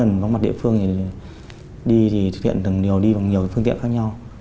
mỗi lần bóng mặt địa phương đi thì thiện thường đi bằng nhiều phương tiện khác nhau